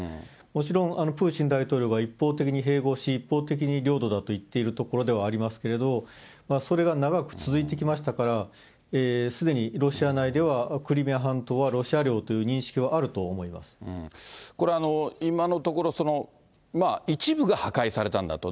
もちろん、プーチン大統領が一方的に併合し、一方的に領土だと言っているところではありますけど、それが長く続いてきましたから、すでにロシア内ではクリミア半島はロシア領という認識はあると思これは今のところ、一部が破壊されたんだと。